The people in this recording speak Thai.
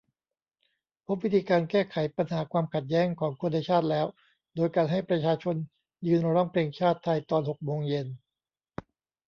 พบวิธีการแก้ไขปัญหาความขัดแย้งของคนในชาติแล้ว โดยการให้ประชาชน ยืนร้องเพลงชาติไทยตอนหกโมงเย็น